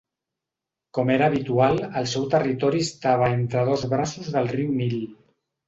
Com era habitual el seu territori estava entre dos braços del riu Nil.